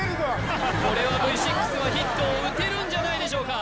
これはＶ６はヒットを打てるんじゃないでしょうか？